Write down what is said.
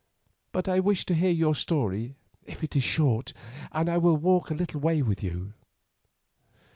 But I wish to hear your story, if it is short, and I will walk a little way with you."